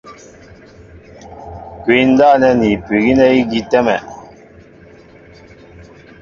Kwǐ ndáp nɛ́ ni ipu' gínɛ́ ígi í tɛ́mɛ.